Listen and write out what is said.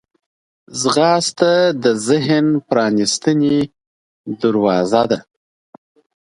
ځغاسته د ذهن پرانستې دروازې ده